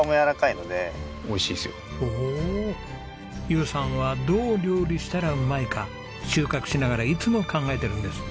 友さんはどう料理したらうまいか収穫しながらいつも考えてるんです。